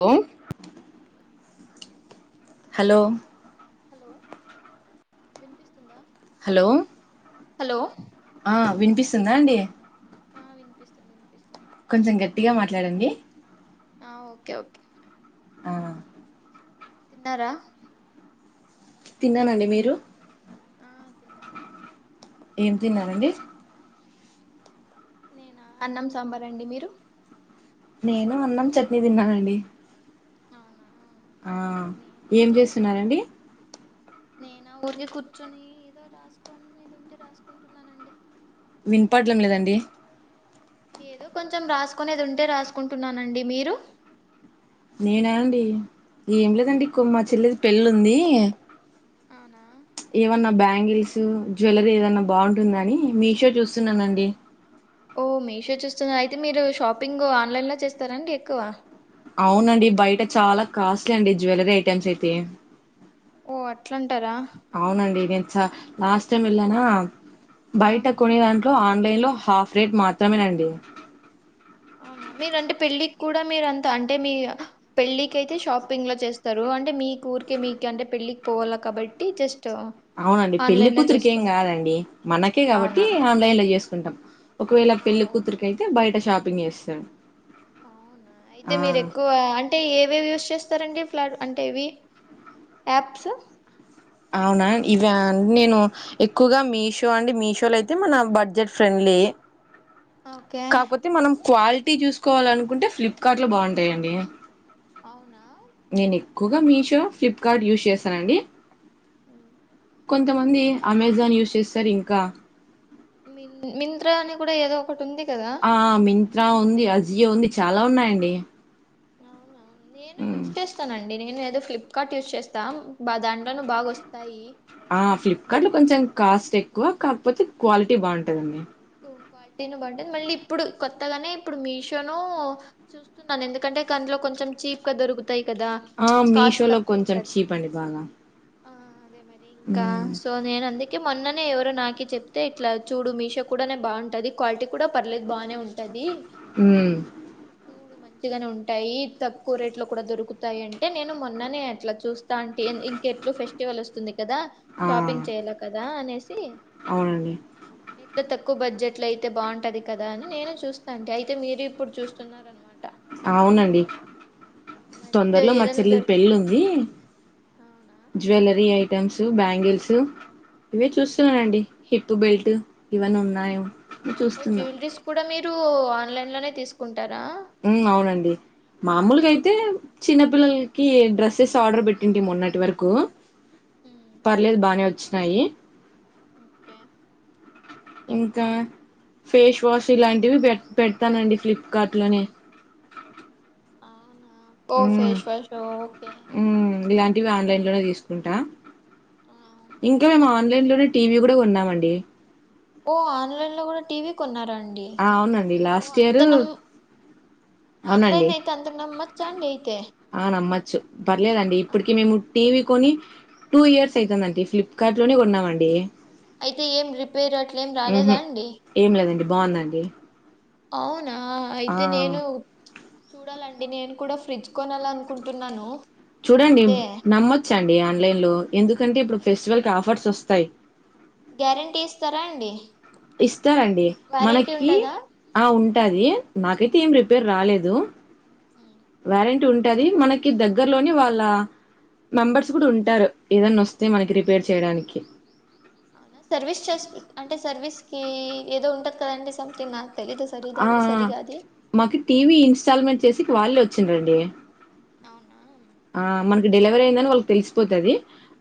హ [inaudible] hello hello వినిపిస్తుందా hello hello ఆ వినిపిస్తుందా అండి ఆ వినిపిస్తుంది వినిపిస్తుంది కొంచెం గట్టిగా మాట్లాడండి ఆ ఓకే ఓకే ఆ తిన్నారా తిన్నానండి మీరు ఆ తిన్న తిన్న ఏం తిన్నరండి నేనా అన్నం సాంబారండి మీరు నేనూ అన్నం చట్నీ తిన్నానండి అవునా ఆ చట్నీ ఏం చేస్తున్నారు చేస్తున్నారండి నేనా ఊరికే కూర్చొని ఏదో రాసుకొనేది ఉంటే రాసుకుంటున్నానండి విన్ పడడం లేదండి ఏదో కొంచం రాసుకునేది ఉంటే రాసుకుంటున్నానండి మీరు నేనా అండి ఏం లేదండి కు అవునా మా చెల్లెది పెళ్లుంది అవునా ఏమన్నా బ్యాంగిల్సు జ్యువెల్లరీ ఏదన్నా బాగుంటుందని మీషో చూస్తున్నానండి ఓ మీషో చూస్తున్నారా అయితే మీరు షాపింగు ఆన్లైన్ లో చేస్తారాండి ఎక్కువ అవునండి బయట చాలా కాస్ట్లీ అండి జ్యువెల్లరీ ఐటెమ్స్ అయితే ఓ అట్లంటరా చ్చ లాస్ట్ టైం వెళ్ళానా ఆ బయట కొనిదాంట్లో న్లైన్లో హాఫ్ రేట్ మాత్రమేనండి అవునా మీరంటే పెళ్ళికి కూడా మీరు అంతా అంటే మీ పెళ్ళికైతే షాపింగ్ లో చేస్తారు అంటే మీ ఊరికే మీకే అంటే పె ళ్లికి పోవాలా కాబట్టి జస్ట్ అవునండి పెళ్లి ఆన్లైన్ లో కూతురికేం చేసుకుం కాదండి మనకే అవునా కాబట్టి ఆన్లైన్ లో చేసుకుంటాం ఒకవేళ ఆ పెళ్ళి ఓ కూతురుకైతే బయట షాపింగ్ చేస్తడు అయితే మీరు ఎక్కువా అంటే ఏవేవి చేస్తరండి అంటే ఇవి ఆప్స్ అవునా ఇవా నేను ఎక్కువగా మీషో అండి మీషోలో అయితే మన బడ్జెట్ ఫ్రెండ్లీ ప్లే ఓకే కాపోతే మనం క్వాలిటీ చూసుకోవాలనుకుంటే ఫ్లిప్కార్ట్ లో బాగుంటయండి అవునా క్కువగా మీషో ఫ్లిప్కార్ట్ యూస్ చేస్తనండి మ్. కొంతమంది అమెజాన్ యూస్ చేస్తరు ఇంకా మన్ మింద్రా అని గూడా ఏదో ఒకటి ఉంది గదా గా ఉంది అజియ ఉంది చాలా ఉన్నాయండి అవునవును నేను హ్మ్. యూస్ చేస్తానండి నేను ఏదో ఫ్లిప్కార్ట్ యూస్ చేస్తా బా దాంట్లోన బాగా వస్తాయి ఆ ఫ్లిప్కార్ట్ లో బట్ కొంచం కాస్ట్ ఎక్కువ కాకపోతే క్వాలిటీ బాగుంటదండి క్వాలిటీని బట్టి మళ్ళీ ఇప్పుడు కొత్తగనే ఇప్పుడు మీషోను చూస్తున్నాను ఎందుకంటే కండ్లు కొంచం చీప్ గా దొరుకుతయి గదా ఆ ప్ల్చ్ కాస్ట్ మీషోలో తక్కువ కొంచెం ఉంటది చీప్ అండి బాగా. కా హ్మ్. సో నేను అందుకే మొన్ననే ఎవరో నాకే చెప్తే ఇట్లా చూడు మీషో కూడనే బాగుంటది క్వాలిటీ కూడా పర్లేదు బానే ఉంటది హ్మ్ చూడు మంచిగనే ఉంటాయి తక్కువ రేట్ లో కూడా దొరుకుతాయి అంటే నేను మొన్ననే అట్ల చూస్ ఇంకా అంటే ఇంకెట్లు ఫెస్టివల్ వస్తుంది గ దా ఆ! షాపింగ్ చేయాల గదా అనేస్ అవునండి ఎక్కువ బడ్జెట్లు అయితే బాగుంటది గదా అని నేనే చూస్తాంటే అయితే మీరు ఇప్పుడు చూస్తున్నారు అవునండి మరి ఇది తొందరలో మా ఏదైనా చెల్లి దొరి పెళ్ళి ఉంది అవునా ఉమ్. జువెల్లరీ ఐటమ్స్ బ్యాంగిల్స్ ఇవే చూస్తున్నానండి హిప్ బెల్ట్ ఇవన్నీ ఉన్నాయె జ్యువ్లెరీస్ కూడా మీరు ఆన్లైన్ లోనే తీసుకుంట ఉం అవునండి ఆ. మామూలుగయితే చిన్నపిల్లల్కి డ్రెస్సెస్ ఆర్డర్ పెట్టింటి మొన్నటి వరకూ ఉమ్, పర్లేదు బానే ఒచ్చినాయి కే ఇంకా ఫేష్ వాష్ ఇలాంటివి పె పెడతానండి ఫ్లిప్కార్ట్ లోనే అవునా ఓ మ్ ఫేస్ వాష్ ఓకే మ్ ఇలాంటివి ఆన్లైన్ లోనే దానికి తీసుకుంటా ఆ. ఇంకా మేము ఆన్లైన్ లోనే టీవీ గూడ గొన్నామండి ఓ ఆన్లైన్ లో గుడ టీవీ కొన్నారండి ఆ అవునండి లాస్ట్ ఇయర్ అవునండి అన్లైన్ అయితే అందర్ నమ్మచ్చాండి అయితే ఆ నమ్మచ్చు పర్లేదండి ఇప్పటికి అవునా? మేము టీవీ కొని టూ ఇయర్స్ అయితుందండి ఫ్లిప్కార్ట్ లోనే గొన్నామండి అయితే ఏం రిపేర్ అట్లేం రాలేదా అండి బాఉందండి అవునా అయితే నేను చూడాలండి నేను కుడా ఫ్రిడ్జ్ కొనాలనుకుంటున్నాను చూడండి అయితే నమ్మొచ్చండి ఆన్లైన్ లో ఎందుకంటే ఇప్పుడు ఫెస్టివల్ కి ఆఫర్స్ ఒస్ తయి గ్యారెంటీ ఇస్తారా అండి ఇస్తారండి వారంటీ మనకి ఉంటదా ఆ ఉంటాది నాకైతే ఏం రిపేర్ రాలేదు వారంటీ ఉన్ ది మనకి దగ్గరలోని వాళ్ళ మెంబర్స్ గడ సర్వీస్ ఉంటారు ఏదన్నా ఒస్ తె మనకి రిపేర్ చేయడానికి ఈ ఏదో ఉంటది కదండి సంథింగ్ నా ఆ మాకు టీవీ ఇన్స్టాల్మెంట్ చేసేకి వాళ్ళే ఒచ్చిన్రండి అవునా ఆ మనకి డెలివరీ అయిందని వాళ్ళకి తెలిసిపోతది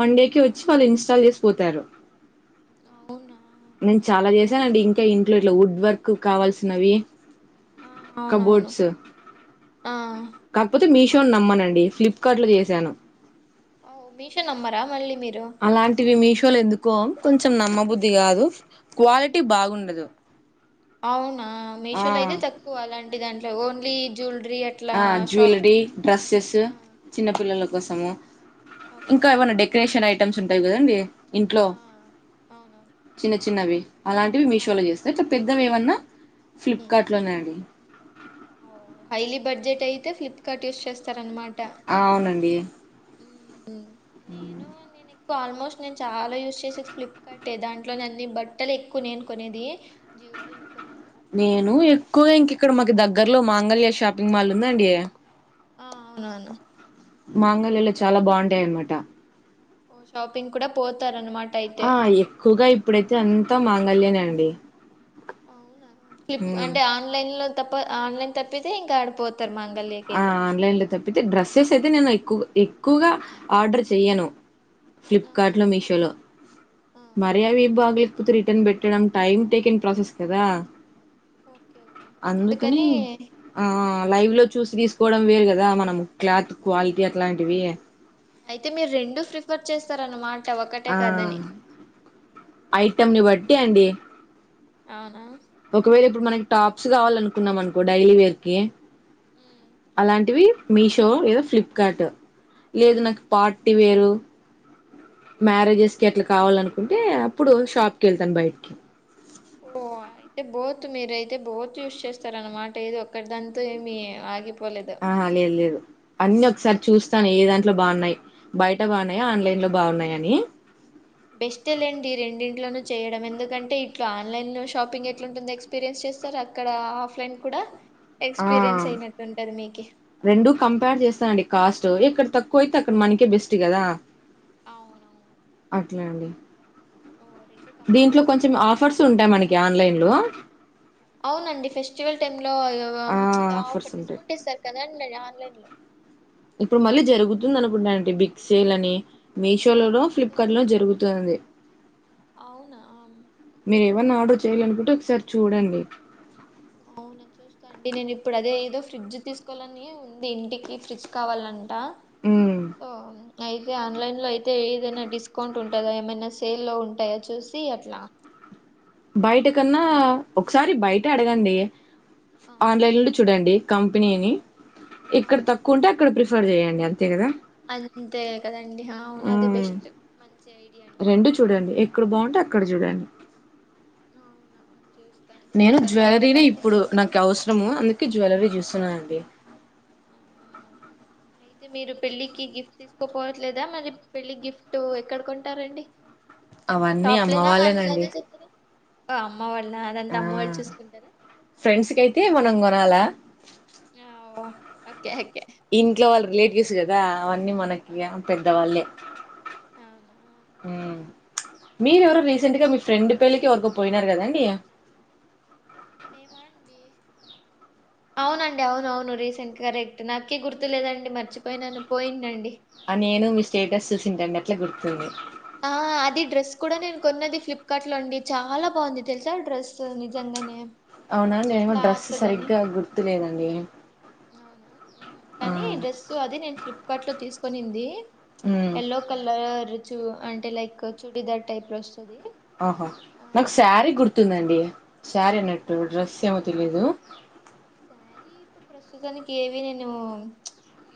వన్ డే కి ఆ, వచ్చి వాళ్ళ్ ఇన్స్టాల్ చేసి పోతారు అవునా నేను చాలా ఓకే జేసాన్ అండి ఇంకా ఇంట్లో ఇట్లా వుడ్ వర్క్ కావాల్సినవి ఆ, అవునవును కబోడ్స్ ఆ కాక్పోతే మీష్ ఓన్ నమ్మనండి ఫ్లిప్కార్ట్లో చేశాను మీషో నమ్మరా మళ్ళీ మీరు అలాంటివి మీషోలు ఎందుకో కొంచెం నమ్మబుద్ధి గాదు అవునా ఆ మషోలో అయితే తక్కువ అలాంటి దాని ఓన్లీ జువలరీ అట్ ఆ జ్యువెలరీ డ్రెస్సెస్ చిన్న పిల్లల అట్లాంటి కోసము ఓకే ఇంకా ఓకే ఏవన్న డెకరేషన్ ఐటమ్స్ ఉంటయి కదండి ఇంట్లో ఆ అవునవును చిన్న చిన్నవి అలాంటివి మీషోలో అవును చేస్త ఇట్ల పెద్దవి ఏవన్న ఉమ్. ఫ్లిప్కార్ట్ లోనే అండి ఓ హైలీ బడ్జెట్ అయితే ఫ్లిప్కార్ట్ యూస్ చేస్తారన్మాట ఆ అవునండి ఆ కు ఆల్మోస్ట్ నేను చాలా యూజ్ చేసేది ఫ్లిప్కార్ట్ట్ ఎ దాంట్లో న అన్ని బట్టలు ఎక్కువ నేను కొనేది జ్యువలరీ ఎమ్కొనను నేను ఎక్కువ ఇంక ఇక్కడ మాకు దగ్గర్లో మాంగళ్యా షాపింగ్ మాల్ ఉందా అండి ఆ అవునవును మాంగళ్యలొ చాలా బాఉంటయి యన్మట ఓ షాపింగ్ కూడా పోతారు అనమాట ఆ ఎక్కువగా ఇప్పుడైతే అంతా మాంగళ్యా నే అండి అవునా ఫ్లిప్ ఉమ్ అంటే ఆన్లైన్ లో తప్ప ఆన్లైన్ తప్పితే ఇంకా ఆడిపోతు ఆ ఆన్లైన్ లో తప్పితే డ్రెస్సెస్ అయితే నేను ఎక్కువ ఎక్కువగా ఆర్డర్ చెయను ఆహా ఫ్లిప్కార్ట్ లో మీషో లో ఆ మరియావిభాగులు రిటర్న్ పెట్టడం టైమ్ టేక్ ఇన్ ప్రాసెస్ కదా ఓకే ఓకే అందుకని ఆ లైవ్ లో చూసి తీసుకోవడం వేరు కదా మనం క్లాత్ క్వాలిటీ అట్లాంటివి అయితే మీరు రెండు ప్రిఫర్ చేస్తారన్నమాట ఒకటే కాదని ఐటెంని బట్టి అండి అవునా ఒకవేళ ఇప్పుడు మనకి టాప్స్ కావాల అనుకున్నాం అనుకో డైలీ వేర్ కి అలాంటివి మీషో ఏదో ఫ్లిప్కార్ట్ లేదు ఆ నాకు పార్టీ వేరు మ్యారేజెస్ కి అట్లా కావాల అనుకుంటే అప్పుడు షాప్ కి వెళ్తాను బయటికి ఓ ఇతే బోత్ మీరుయితే బోత్ యూజ చేస్తార అనమాట ఏది ఒకక్క దాంతో ఆగిపో ఆ లేదు లేదు అన్ని ఒకసారి చూస్తాను ఏ దాంట్లో బాగున్నాయి బయట బాగున్నాయా ఆన్లైన్ లో బాగున్నాయని బెస్టేలేండి రెండింట్లోన చేయడం ఎందుకంటే ఇట్లా ఆన్లైన్ షాపింగ్ ఎట్లాంటుంది ఎక్స్పీరియన్స్ వచ్చస్తారు అక్కడ ఆఫ్లైన్ కూడా ఆ ఎక్స్పీరియన్స్ అయినట్టుంటది మీకి రెండు మంచిగా కంపేర్ చేస్తానండి కాస్ట్ ఇక్కడ తక్కువ కోయి త అక్కన్ మనికే బెస్ట్ గదా అవునవును అట్లా అండి ఓ రెండు కంపేర్ దీంట్లో కొంచెం చేసుకుంటారు అయితే ఆఫర్స్ ఉంటాయి మనకి ఆన్లైన్ లో అవునండి ఫెస్టివల్ టైమ్ లో ఆ ఆఫర్స్ ఆఫర్ ఉంటాయి డిస్కౌంట్ ఇస్తారు కదండి ఆన్లైన్ లో ఇప్పుడు మళ్ళీ జరుగుతుంది. అనుకుంట అండీ బిగ్ సేల్ అని మీషో ఆ లో బిగ్ సేల్ ఫ్లిప్కార్ట్ లో జరుగుతుంది. అవునా ఆ ఏవన్నా ఆర్డర్ చేయాల అనుకుంటే, ఒకసారి చూడండి అవునా చూస్తా, అండి నేను ఇప్పుడు అదే ఏదో ఫ్రిడ్జ్ తీసుకోవాలని ఉంది. ఇంటికి ఫ్రిడ్జ్ కావాల అ ఉమ్ ఓ అయితే ఆన్లైన్ లో అయితే ఏదైనా డిస్కౌంట్ ఉంటుందా. ఏమైనా సేల్ల్లో ఉంటాయా చూసి అట్లా బయట కన్నా ఒకసారి బయట అడగండి ఆ ఆన్లైన్ లో చూడండి. కంపెనీని ఇక్కడ అవును తక్కువంటే, అక్కడ ప్రిఫర్ చెయండి అ అంతే కదండి అవును అది మ్మ్. బెస్ట్ మంచి ఐడియా అండి అది రెండు చూడండి ఎక్కడ బాగుంటే అక్కడ చూడండి అవునవును చూస్తా అండి నేను చూడాల జ్యువెలరీనే ఎందుకంటే ఇప్పుడు, నాకు అవసరము అందుకే జ్యువెలరీ చూస్తున్నాను, అండి అవునా [unintelligible] అయితే మీరు పెళ్ళికి గిఫ్ట్ తీసుకోపోవట్లేదా, మరి పెళ్ళికి గిఫ్ట్ ఎక్కడకొంటారండి. అవన్నీ అమ్మ షాప్లేనా ఆన్లైన్ వాళ్ళేనండి లో చెస్తారా అమ్మ వాళ్ళ ఆ అదంతా అమ్మ వాళ్ళు చూసుకుంటరు ఫ్రెండ్స్ కి అయితే మనం కొనాలా ఓకే ఓకే ఇంట్లో వాళ్ళ రిలేటివ్స్, గదా అవన్నీ మనకి ఆ, పెద్దవాళ్ళే అవునా ఊ మీరు ఎవరు ఉమ్, రీసెంట్ గా మీ ఫ్రెండ్ పెళ్ళికి ఎవరకో పోయినారు కదండి మేమా అండి అవునండి అవున అవును రీసెంట్గా కరెక్ట్ నాకే గుర్తు లేదండి మర్చిపోయినాను పోయిందండి ఆ నేను మీ స్టేటస్ చూసింటండి అట్లా గుర్తుంది. ఆ అది డ్రెస్ కూడా నేను కొన్నది ఫ్లిప్కార్ట్ లో అండి చాలా బాగుంది తెలుసా డ్రెస్ నిజంగానే. అవునా నేను డ్రెస్ క్లాత్ గాని సరిగ్గా గుర్తులేదండి. అవునా ఉమ్ ఆ కానీ డ్రెస్ అది నేను ఫ్లిప్కార్ట్ లో తీసుకొనింది. ఉమ్ యాల్లో కలర్ చూ అంటే లైక్ చూడిదార్ టైప్ లో వస్తు. ఆహా నాకు శారీ గుర్తుందండి, శారీ అన్నట్టు డ్రెస్ ఏమో తెలీదు సారీ ఇప్పుడు ప్రస్తుతానికి ఏవి నేను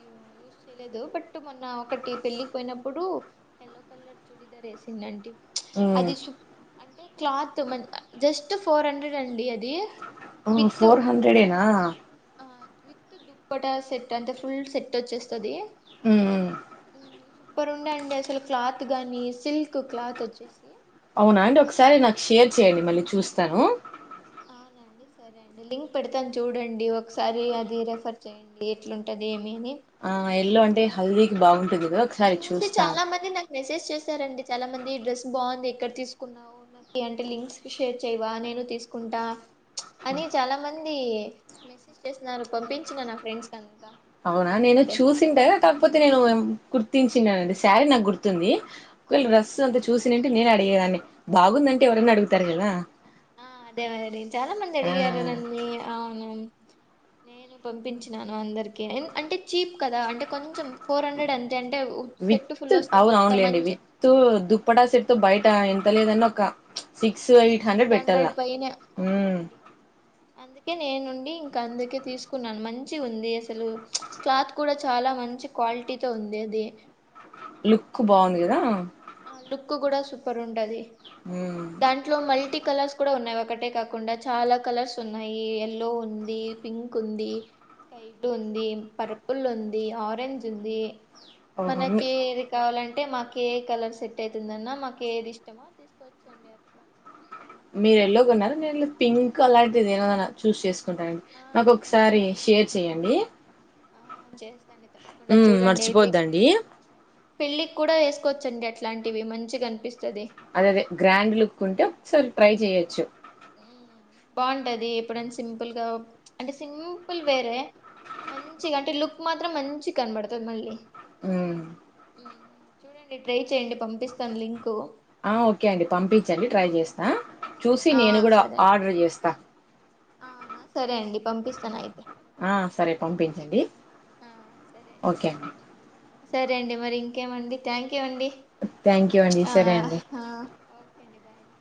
యూ యూజ్ చేయలేదు బట్ మొన్న ఒకటి పెళ్ళికి పోయినప్పుడు ఎల్లో కలర్ చూడిధర ఎ [unintelligible] ఉమ్ అది సు అంటే క్లాత్ మా జస్ట్ ఫోర్ హండ్రెడ్ అండి అది ఓ ఫోర్ హండ్రెడ్ నా ఆ విత్ దుప్పట సెట్ అంటే ఫుల్ సెట్ వచ్చేస్తాది. ఉమ్ సూపర్ ఉండే అండీ అసలు క్లాత్ గాని సిల్క్ క్లాత్ వచ్చేసి అవునా అండి ఒకసారి నాకు షేర్ చేయండి, మళ్ళీ చూస్తాను. అంది సరే అండి లింక్ పెడతాను చూడండి, ఒకసారి అది రెఫర్ చెయండి, ఎట్లుంటది ఏమి అని ఆ ఎల్లో అంటే ఆ, హల్దీకి బాగుంటది. చూసి చాలా మంది, నాకు మెసేజ్ చేశారండి, చాలా మంది డ్రెస్ బాగుంది. ఎక్కడ తీసుకున్నావు, నాకి అంటే లింక్స్ షేర్ చెయవా నేను తీసుకుంటా. అని చాలా మంది మెసేజ్ చేసిన్నారు. పంపించిన నా ఫ్రెండ్స్ కి అం అవునా నేను చూసింట, కాకపోతే నేను గుర్తించినండి శారీ నాకు గుర్తుంది, ఒకవేళ డ్రెస్స్ అవునా అంతా చూసినుంటే నేను అడిగేదాన్ని బాగుందంటే ఆ, ఎవరన్నా అడుగుతారు కదా ఆ అదే మరి చాలా మంది ఆ అడిగారు నన్ని అవును నేను పంపించినాను, అందరికి అంటే చీప్ కదా అంటే కొంచెం ఫోర్ హండ్రెడ్ అం విత్ అవును అవునులేండి మంచి విత్ దుప్పటా సెట్తో బయట ఎ ఎంత లేనాన్న ఒక సిక్స్ ఎయిట్ సిక్స్ పెట్టాల హండ్రెడ్ పైనే ఉమ్ అవునండి అందుకే నేనుండి ఇక అందుకే తీసుకున్నాను మంచి ఉంది అసలు క్లాత్ కూడా చాలా మంచి క్వాలిటీతోో ఉంది ఆ ది లుక్ బాగుంది కదా ఆ లుక్ కూడా సూపర్ ఉంటది ఉమ్ దాంట్లో మల్టీ కలర్స్ కూడా ఉన్నాయి ఓ క్కటే కాకుండా చాలా కలర్స్ ఉన్నాయి ఎయల్లో ఉంది పింక్ ఉంది స్కై బ్లూ ఉంది పర్పుల్ ఉంది ఆరెంజ్ ఉంది ఓహో మీ మనకి ఏది కావాలంటే మాకు ఏ కలర్ సెట్ అవుతుందన్న మాకు ఏది ఇష్టమో తీసుకోవచ్చండి అట్లా మీరు ఎల్లో కొన్నారు నేను పింక్ అలాంటిది ఏదైనా చూస్ చేస్ కుంటా అండి ఆ నాకు ఒకసారి చూడండి షేర్ చెయ్యండి ఆ చేస్తాండి తప్పకుండా ఉమ్ చూడండి అయితే ఇప్పుడు మర్చిపోద్దండి [inaudible] పెళ్లికి కూడా వేసుకోవచ్చండి అట్లాంటివి మంచిగా అనిపిస్త అదే అదే గ్రాండ్ లుక్ ఉంటే ఒకసారి ట్రై చెయొచ్చు ఉమ్ బాగుంటది ఎప్పుడనా సింపుల్గా అంటే సింపుల్ వేరే మంచిగా అంటే లుక్ మాత్రం మంచి కనబడుతుంది మళ్ళీ ఉమ్ ఉమ్, చూడండి ట్రై చేయండి పంపిస్తాను లింక్ ఆ ఓకే అండి పంపించండి ట్రై ఉమ్, చేస్తా చూసి నేను కూడా ఆర్డర్ చేస్తా ఆహా సరే అండి పంపిస్తాను అయితే ఆ సరే పంపించండి ఆ సరే ఓకే అండి సరే అండి మరి ఇంకేమండి థ్యాంక్ యూ అండి థ్యాంక్ యూ అండి. ఆ సరే అండి. ఆ ఓకే అండి బాయ్ అండి